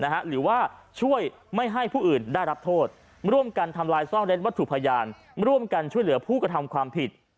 หรือว่าช่วยไม่ให้ผู้อื่นได้รับโทษร่วมกันทำลายซ่อนเล้นวัตถุพยานร่วมกันช่วยเหลือผู้กระทำความผิด